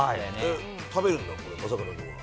食べるんだこれ、正門君は。